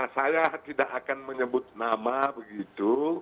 saya tidak akan menyebut nama begitu